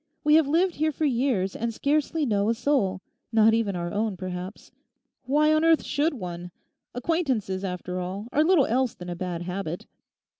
We have lived here for years, and scarcely know a soul—not even our own, perhaps. Why on earth should one? Acquaintances, after all, are little else than a bad habit.